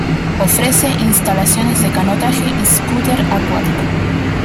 Ofrece instalaciones de canotaje y scooter acuático.